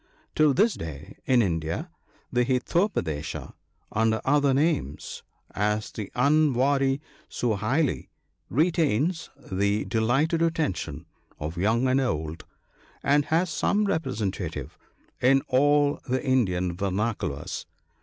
To this day, in India, the " Hitopa desa," under other names (as the " Anvdri Suhaili '), retains the delighted attention of young and old, and has some representative in all the Indian vernaculars.